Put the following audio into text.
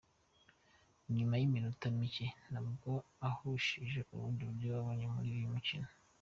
Ni nyuma y’iminota mike nabwo ahushije ubundi buryo yabonye muri uyu mukino.